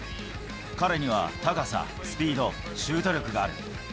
彼には高さ、スピード、シュート力がある。